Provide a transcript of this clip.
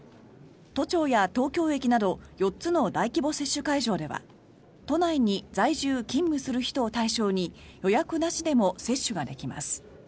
都庁や東京駅など４つの大規模接種会場では都内に在住・勤務する人を対象に予約なしでも接種ができます。